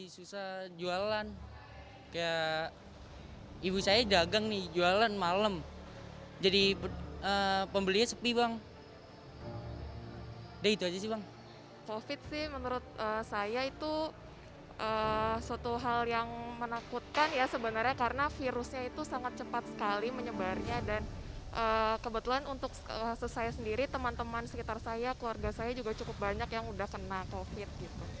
sangat cepat sekali menyebarnya dan kebetulan untuk saya sendiri teman teman sekitar saya keluarga saya juga cukup banyak yang sudah kena covid sembilan belas